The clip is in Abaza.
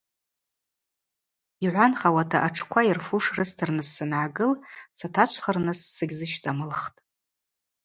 Йгӏванхауата атшква йырфуш рыстырныс сангӏагыл сатачвхырныс сыгьзыщтӏамылхтӏ.